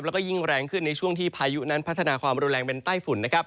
แล้วก็ยิ่งแรงขึ้นในช่วงที่พายุนั้นพัฒนาความรุนแรงเป็นใต้ฝุ่นนะครับ